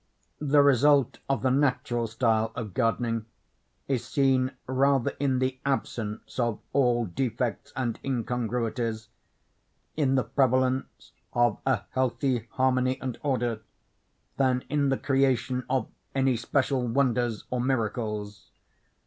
The result of the natural style of gardening, is seen rather in the absence of all defects and incongruities—in the prevalence of a healthy harmony and order—than in the creation of any special wonders or miracles.